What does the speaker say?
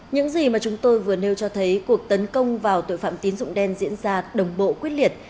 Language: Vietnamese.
những gì mà chúng tôi vừa nêu cho thấy cuộc tấn công vào tội phạm tín dụng đen diễn ra đồng bộ quyết liệt